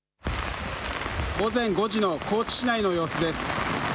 午前５時の高知市内の様子です。